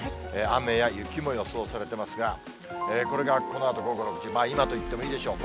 雨や雪も予想されていますが、これがこのあと午後６時、今と言ってもいいでしょう。